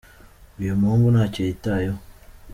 uyumuhungu ntacyoyitayeho